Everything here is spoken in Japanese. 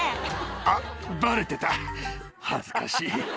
あっバレてた恥ずかしい。